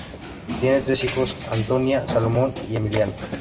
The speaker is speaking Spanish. Tiene tres hijos, Antonia, Salomón y Emiliano.